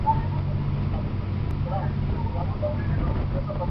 • چي ځواني رخصتېدله مستي هم ورسره ولاړه -